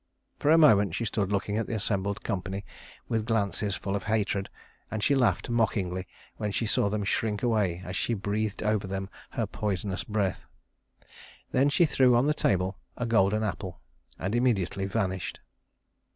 For a moment she stood looking at the assembled company with glances full of hatred, and she laughed mockingly when she saw them shrink away as she breathed over them her poisonous breath. Then she threw on the table a golden apple, and immediately vanished.